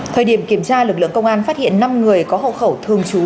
thời điểm kiểm tra lực lượng công an phát hiện năm người có hộ khẩu thường trú